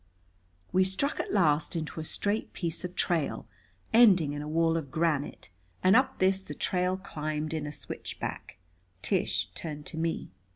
We struck at last into a straight piece of trail, ending in a wall of granite, and up this the trail climbed in a switchback. Tish turned to me.